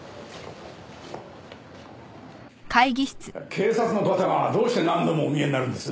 警察の方がどうして何度もお見えになるんです。